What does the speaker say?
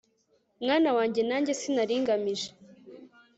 mwana wanjye nanjye sinaringamije